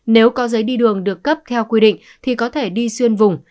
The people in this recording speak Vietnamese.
nếu có giấy đi đường được cấp theo quy định thì có thể đi xuyên vùng